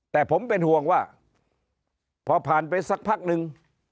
แต่ผมเป็นห่วงว่าพอผ่านไปสักพักนึง